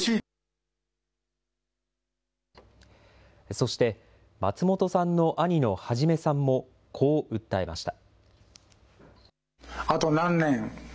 そして、松本さんの兄の孟さんもこう訴えました。